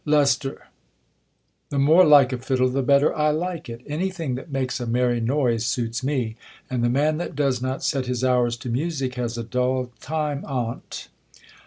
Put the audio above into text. Lester, The more like a fiddle, the better I like it. Any thing that makes a merry noise suits me ; and the man that does not set his hours to music, has a dull rime on't.